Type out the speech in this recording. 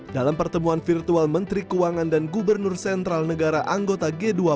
dalam pertemuan virtual menteri keuangan dan gubernur sentral negara anggota g dua puluh